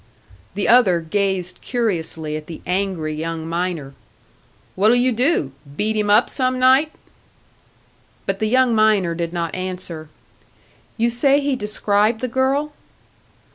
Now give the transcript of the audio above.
The other gazed curiously at the angry young miner. "What'll you do? Beat him up some night?" But the young miner did not answer. "You say he described the girl?"